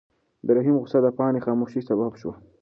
د رحیم غوسه د پاڼې د خاموشۍ سبب شوه.